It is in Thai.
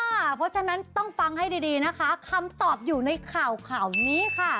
เพราะฉะนั้นต้องฟังให้ดีนะคะคำตอบอยู่ในข่าวข่าวนี้ค่ะ